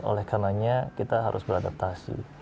oleh karenanya kita harus beradaptasi